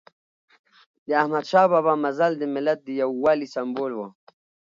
د احمد شاه بابا مزل د ملت د یووالي سمبول و.